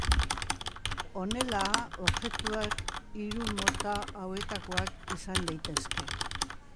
Honela, objektuak hiru mota hauetakoak izan daitezke.